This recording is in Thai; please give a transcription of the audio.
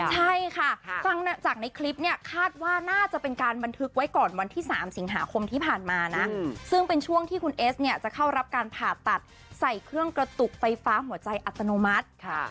ใช่ค่ะฟังจากในคลิปเนี่ยคาดว่าน่าจะเป็นการบันทึกไว้ก่อนวันที่๓สิงหาคมที่ผ่านมานะซึ่งเป็นช่วงที่คุณเอสเนี่ยจะเข้ารับการผ่าตัดใส่เครื่องกระตุกไฟฟ้าหัวใจอัตโนมัติ